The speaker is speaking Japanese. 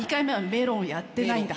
メロンやってない。